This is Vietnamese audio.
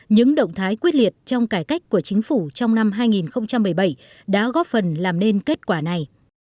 những động thái quyết liệt trong cải cách của chính phủ trong năm hai nghìn một mươi bảy đã góp phần làm nên kết quả này